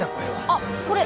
あっこれ。